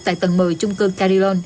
tại tầng một mươi chung cư carylon